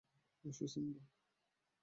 আসো, সিম্বা!